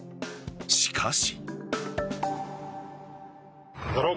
しかし。